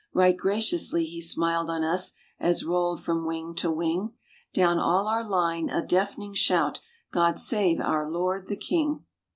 Right graciously he smiled on us, as rolled from wing to wing, Down all our line, a deafening shout: "God save our Lord the King!"